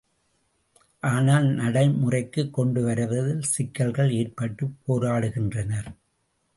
ஆனால் நடை முறைக்குக் கொண்டு வருவதில் சிக்கல்கள் ஏற்பட்டுப் போராடுகின்றனர்.